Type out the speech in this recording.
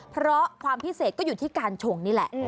เพราะความพิเศษก็อยู่ที่การชงนี่แหละ